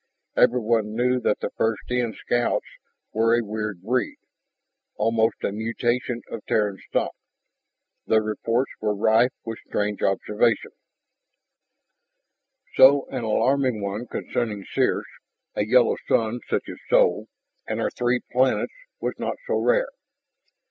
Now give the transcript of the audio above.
Everyone knew that the First In Scouts were a weird breed, almost a mutation of Terran stock their reports were rife with strange observations. So an alarming one concerning Circe (a yellow sun such as Sol) and her three planets was not so rare.